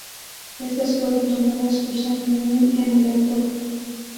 Estas fueron tomadas usando un emulador.